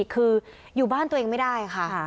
คืออยู่บ้านตัวเองไม่ได้ค่ะ